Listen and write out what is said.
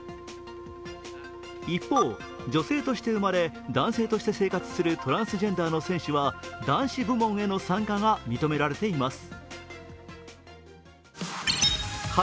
一方、女性として生まれ男性として生活するトランスジェンダーの選手は男子部門への参加が認められています。